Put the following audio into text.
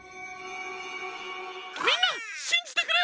みんなしんじてくれ！